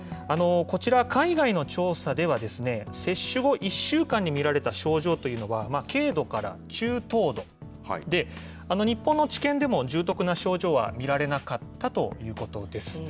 こちら、海外の調査では、接種後１週間に見られた症状というのは、軽度から中等度で、日本の治験でも重篤な症状は見られなかったということです。